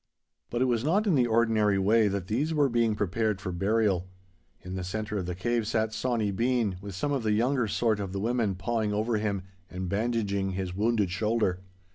But it was not in the ordinary way that these were being prepared for burial. In the centre of the cave sat Sawny Bean, with some of the younger sort of the women pawing over him and bandaging his wounded shoulder.